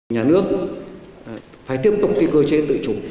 nhà nước phải tiếp tục cơ chế tự chủ